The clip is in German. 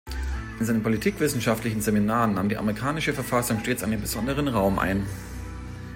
In seinen politikwissenschaftlichen Seminaren nahm die amerikanische Verfassung stets einen besonderen Raum ein.